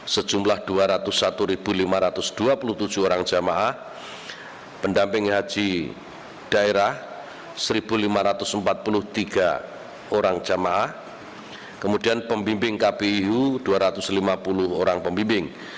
sejumlah dua ratus satu lima ratus dua puluh tujuh orang jamaah pendamping haji daerah satu lima ratus empat puluh tiga orang jamaah kemudian pembimbing kpih dua ratus lima puluh orang pembimbing